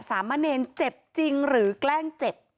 สามะเนรเจ็บจริงหรือแกล้งเจ็บ